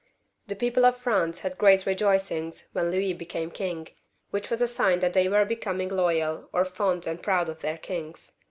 The people of France had great rejoicings when Louis became king, which was a sign that they were becoming loyal, or fond and proud of their kings.